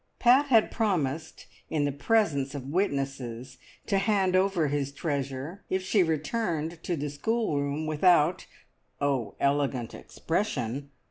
Pat had promised in the presence of witnesses to hand over his treasure if she returned to the schoolroom without oh, elegant expression!